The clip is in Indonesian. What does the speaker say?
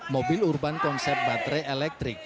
mobil urban konsep baterai elektrik